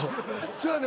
そやね